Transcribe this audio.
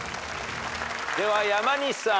では山西さん。